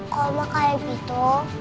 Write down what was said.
kok oma kayak gitu